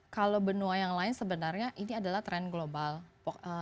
kalau benua yang lain sebenarnya ini adalah trend yang lebih baik